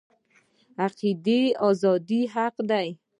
د عقیدې ازادي حق دی